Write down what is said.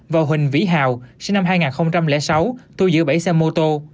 và huỳnh vĩ hào sinh năm hai nghìn sáu thu giữ bảy xe mô tô